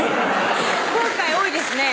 今回多いですね